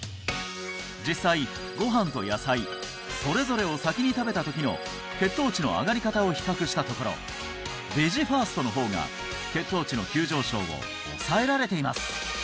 実際ご飯と野菜それぞれを先に食べた時の血糖値の上がり方を比較したところベジファーストの方が血糖値の急上昇を抑えられています